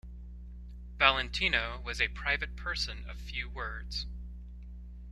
Valentino was a private person of few words.